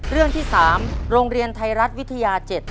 เรื่องที่๓โรงเรียนไทยรัฐวิทยา๗